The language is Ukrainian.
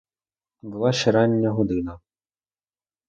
Була ще рання година.